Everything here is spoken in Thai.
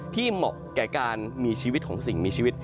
เหมาะแก่การมีชีวิตของสิ่งมีชีวิต